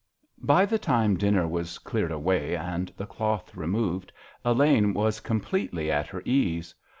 By the time dinner was cleared away and the cloth removed, Elaine was completely at her ease.